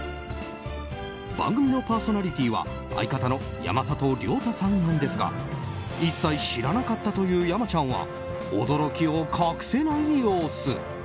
番組のパーソナリティーは相方の山里亮太さんなんですが一切知らなかったという山ちゃんは驚きを隠せない様子。